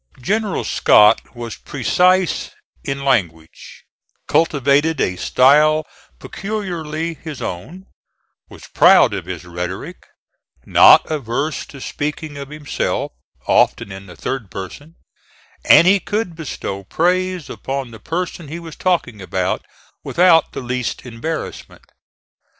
General Scott was precise in language, cultivated a style peculiarly his own; was proud of his rhetoric; not averse to speaking of himself, often in the third person, and he could bestow praise upon the person he was talking about without the least embarrassment.